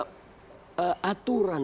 kita punya aturan